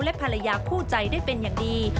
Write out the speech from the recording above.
และภรรยาคู่ใจได้เป็นอย่างดี